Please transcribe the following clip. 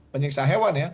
penyiksaan hewan ya